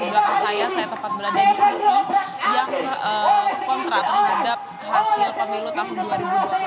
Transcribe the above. di belakang saya saya tepat berada di sisi yang kontra terhadap hasil pemilu tahun dua ribu dua puluh empat